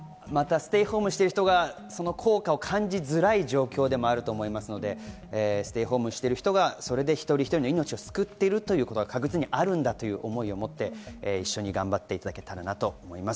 ステイホームしている人がその効果を感じづらい状況でもあると思いますので、ステイホームしている人がそれで一人一人の命を救っているというのは、そういう思いはあって頑張っていただけたらと思います。